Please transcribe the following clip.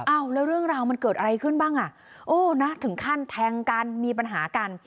อ้าวแล้วเรื่องราวมันเกิดอะไรขึ้นบ้างอ่ะโอ้นะถึงขั้นแทงกันมีปัญหากัน